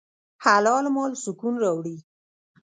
حلال مال سکون راوړي.